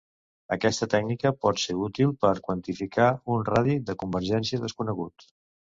Aquesta tècnica pot ser útil per quantificar un radi de convergència desconegut.